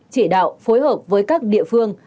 chỉ đạo phối hợp với các địa phương